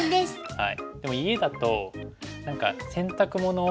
はい。